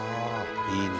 いいね。